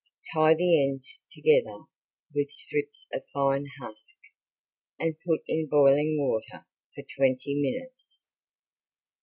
Tie the ends together with strips of fine husk and put in boiling water for twenty minutes.